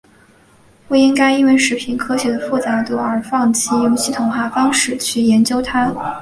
不应该因为食品科学的复杂度而放弃用系统化方式去研究它。